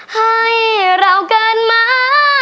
ให้เราเกินมา